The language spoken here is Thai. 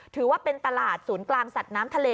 ถือว่าเป็นตลาดศูนย์กลางสัตว์น้ำทะเล